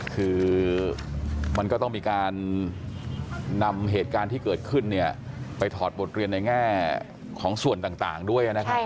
คือมันก็ต้องมีการนำเหตุการณ์ที่เกิดขึ้นเนี่ยไปถอดบทเรียนในแง่ของส่วนต่างด้วยนะครับ